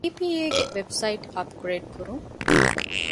އީ.ޕީ.އޭގެ ވެބްސައިޓް އަޕްގްރޭޑް ކުރުން